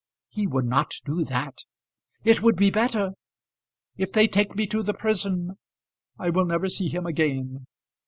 "He would not do that." "It would be better. If they take me to the prison, I will never see him again.